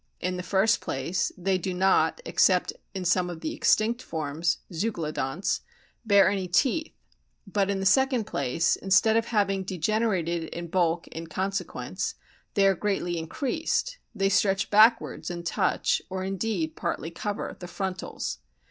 In the first place they do not, except in some of the extinct forms (Zeuglodonts), bear any teeth ; but, in the second place, instead of having degenerated in bulk in consequence, they are greatly increased ; they stretch backwards and touch, or indeed partly cover, the frontals.